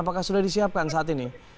apakah sudah disiapkan saat ini